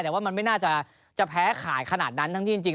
แต่ว่ามันไม่น่าจะแพ้ขายขนาดนั้นทั้งที่จริง